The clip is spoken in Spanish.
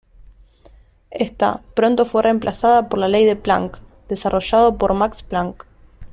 Esta, pronto fue reemplazada por la ley de Planck, desarrollado por Max Planck.